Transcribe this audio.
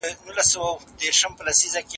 ایا ځايي کروندګر خندان پسته اخلي؟